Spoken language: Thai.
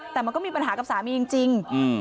แต่มันก็มีปัญหากับสามีจริง